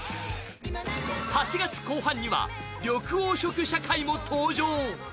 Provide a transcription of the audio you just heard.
８月後半には緑黄色社会も登場。